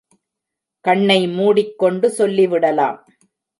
கண்ணை மூடிக்கொண்டு சொல்லிவிடலாம்.